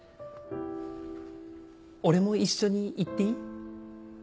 俺も一緒に行っていい？